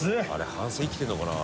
反省生きてるのかな